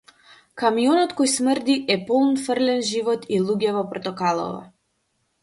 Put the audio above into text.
Камионот кој смрди е полн фрлен живот и луѓе во портокалово.